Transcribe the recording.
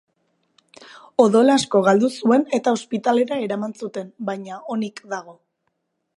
Odol asko galdu zuen eta ospitalera eraman zuten, baina onik dago.